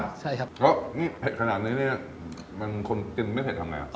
เพราะเพดนะเนี่ยคนกินไม่เผ็ดทำไง